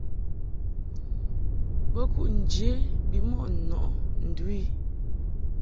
Bo kuʼ nje bimɔʼ nɔʼɨ ndu i.